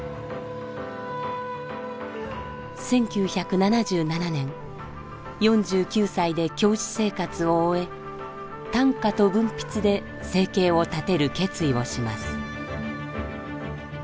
１９７７年４９歳で教師生活を終え短歌と文筆で生計を立てる決意をします。